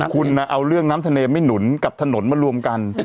คุณเอาเรื่องน้ำทะเลไม่หนุนกับถนนมารวมกัน